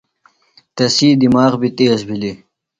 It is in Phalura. تسی دماغ بیۡ تیز بِھلیۡ۔